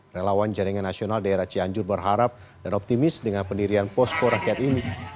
relawan jaringan nasional daerah cianjur berharap dan optimis dengan pendirian posko rakyat ini